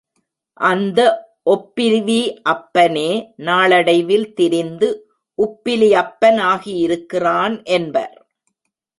அந்த ஒப்பிவி அப்பனே நாளடைவில் திரிந்து உப்பிலி அப்பன் ஆகியிருக்கிறான் என்பர்.